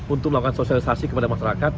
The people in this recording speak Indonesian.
untuk melakukan sosialisasi kepada masyarakat